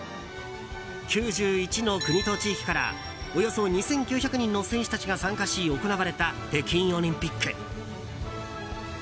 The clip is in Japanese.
９１の国と地域からおよそ２９００人の選手たちが参加し行われた北京オリンピック。